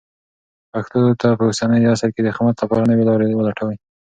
پښتو ته په اوسني عصر کې د خدمت لپاره نوې لارې ولټوئ.